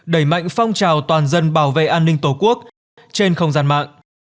đẩy mạnh phong trào toàn dân bảo vệ an ninh tổ quốc trên không gian mạng